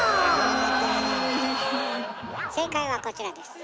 正解はこちらです。